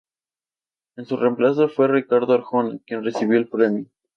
En su reemplazo fue Ricardo Arjona quien recibió el premio.